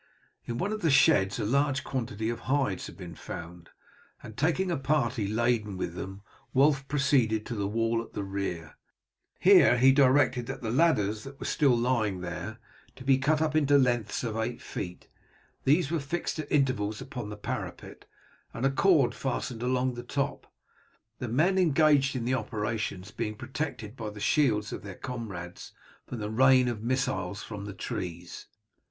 In one of the sheds a large quantity of hides had been found, and taking a party laden with them Wulf proceeded to the wall at the rear. Here he directed the ladders that were still lying there to be cut up into lengths of eight feet. These were fixed at intervals upon the parapet, and a cord fastened along the top, the men engaged in the operations being protected by the shields of their comrades from the rain of missiles from the trees.